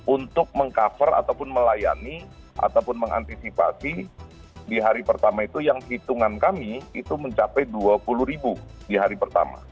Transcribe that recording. untuk meng cover ataupun melayani ataupun mengantisipasi di hari pertama itu yang hitungan kami itu mencapai dua puluh ribu di hari pertama